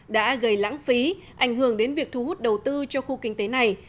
đã gây lãng phí ảnh hưởng đến việc thu hút đầu tư cho khu kinh tế này